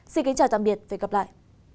xin kính chào tạm biệt và hẹn gặp lại